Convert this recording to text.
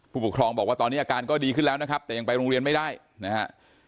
ผู้ปกครองบอกว่าตอนนี้อาการก็ดีขึ้นแล้วนะครับแต่ยังไปโรงเรียนไม่ได้นะฮะ